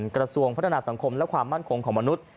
กระทรวงพัฒนาสังคมและความมั่นคงของมนุษย์